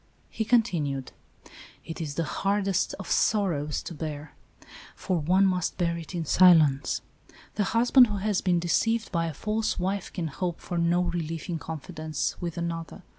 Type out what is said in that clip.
He continued, " It is the hardest of sorrows to bear, for one must bear it in silence. The hus 28 ALICE; OR, THE WAGES OF SIN. band who has been deceived by a false wife can hope for no relief in confidence with another.